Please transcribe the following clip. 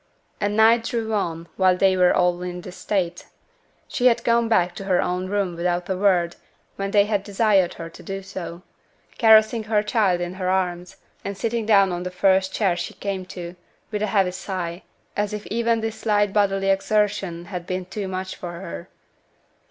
And night drew on while they were all in this state. She had gone back to her own room without a word when they had desired her to do so; caressing her child in her arms, and sitting down on the first chair she came to, with a heavy sigh, as if even this slight bodily exertion had been too much for her.